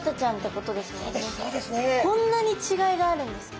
こんなに違いがあるんですか？